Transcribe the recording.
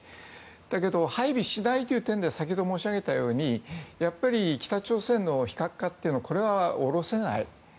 だけど、配備しないという点では先ほど申し上げたように北朝鮮の非核化は下ろせない。